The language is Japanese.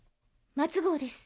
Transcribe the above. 松郷です。